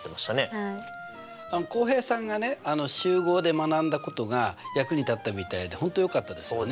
浩平さんがね集合で学んだことが役に立ったみたいで本当よかったですよね。